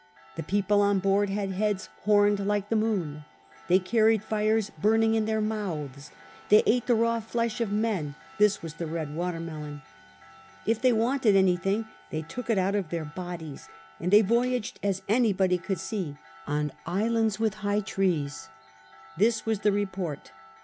The people on board had heads horned like the moon; they carried fires burning in their mouths ; they ate the raw flesh of men — this was the red water melon. If they wanted anything they took it out of their bodies ; and they voyaged, as any body could see, on islands with high trees. This was the report.